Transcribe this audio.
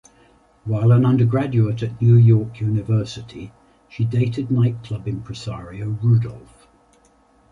While an undergraduate at New York University, she dated nightclub impresario Rudolph.